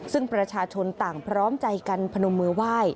ซึ่งประชาชนต่างพร้อมใจกันพนมมือไหว้